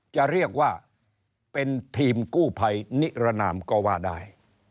จะเรียกว่าเป็นทีมกู้ภัยนิรนามก็ว่าได้